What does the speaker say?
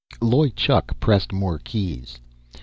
Loy Chuk pressed more keys.